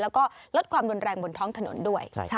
แล้วก็ลดความรุนแรงบนท้องถนนด้วย